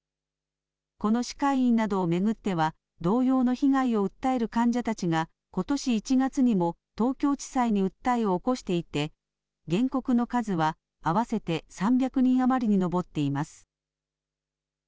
この歯科医院などを巡っては、同様の被害を訴える患者たちが、ことし１月にも東京地裁に訴えを起こしていて、原告の数は合わせて３００人余りに上っています。